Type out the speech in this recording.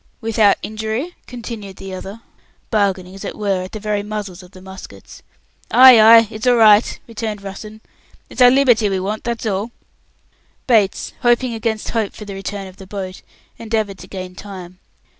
"Without injury?" continued the other, bargaining, as it were, at the very muzzles of the muskets. "Ay, ay! It's all right!" returned Russen. "It's our liberty we want, that's all." Bates, hoping against hope for the return of the boat, endeavoured to gain time.